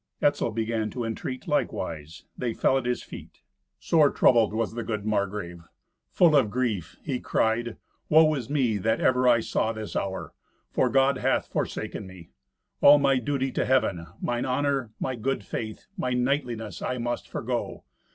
Etzel began to entreat likewise. They fell at his feet. Sore troubled was the good Margrave. Full of grief, he cried, "Woe is me that ever I saw this hour, for God hath forsaken me. All my duty to Heaven, mine honour, my good faith, my knightliness, I must forego.